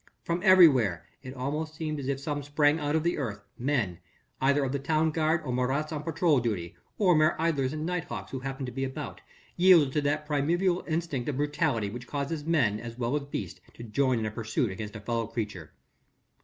From everywhere it almost seemed as if some sprang out of the earth men, either of the town guard or Marats on patrol duty, or merely idlers and night hawks who happened to be about, yielded to that primeval instinct of brutality which causes men as well as beasts to join in a pursuit against a fellow creature.